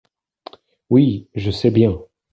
Oui, je sais bien.